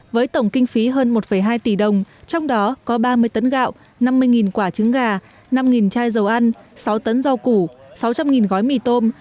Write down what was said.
với tổng kinh phí hơn một hai tỷ đồng trong đó có ba mươi tấn gạo năm mươi quả trứng gà năm chai dầu ăn sáu tấn rau củ sáu trăm linh gói mì tôm